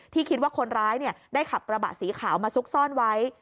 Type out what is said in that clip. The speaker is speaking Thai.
คิดว่าคนร้ายได้ขับกระบะสีขาวมาซุกซ่อนไว้